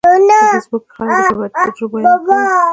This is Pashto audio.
په فېسبوک کې خلک د خپلو تجربو بیان کوي